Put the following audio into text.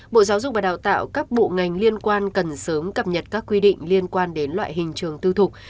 bộ giáo dục và đào tạo các bộ ngành liên quan cần sớm cập nhật các quy định liên quan đến loại hình trường tư thục